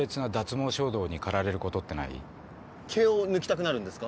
毛を抜きたくなるんですか？